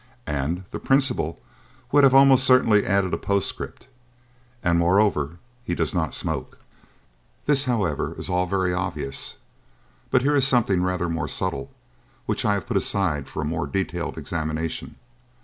And the principal would have almost certainly added a postscript; and, moreover, he does not smoke. This, however, is all very obvious; but here is something rather more subtle which I have put aside for more detailed examination.